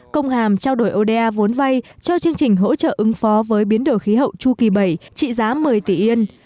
công hàm trao đổi oda vốn vay cho chương trình hỗ trợ ứng phó với biến đổi khí hậu chu kỳ bảy trị giá một mươi tỷ yên